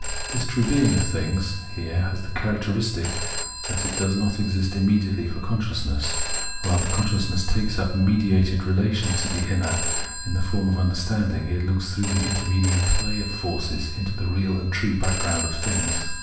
This true being of things has here the characteristic that it does not exist immediately for consciousness ; rather, consciousness takes up a mediated relation to the inner ; in the form of understanding it looks through the intervening play of forces into the real and true backgromid of things.